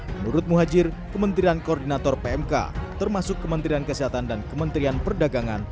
menurut muhajir kementerian koordinator pmk termasuk kementerian kesehatan dan kementerian perdagangan